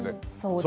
そう。